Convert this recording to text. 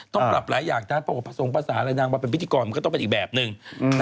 ต้องปรับหลายอย่างนะเพราะว่าผสมภาษาอะไรนางมาเป็นพิธีกรมันก็ต้องเป็นอีกแบบนึง